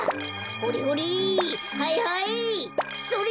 ほれほれ。